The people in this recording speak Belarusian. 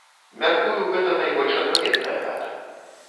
Мяркую, гэта найбольш адпаведная дата.